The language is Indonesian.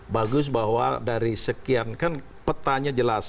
bagus bahwa dari sekian kan petanya jelas